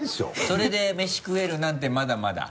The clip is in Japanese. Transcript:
それで飯食えるなんてまだまだ？